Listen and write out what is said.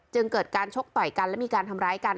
เกิดการชกต่อยกันและมีการทำร้ายกัน